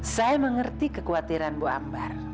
saya mengerti kekhawatiran bu ambar